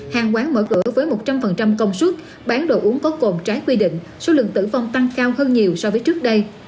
hàng quán mở cửa với một trăm linh công suất bán đồ uống có cồn trái quy định số lượng tử vong tăng cao hơn nhiều so với trước đây